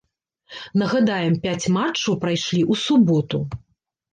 Нагадаем, пяць матчаў прайшлі ў суботу.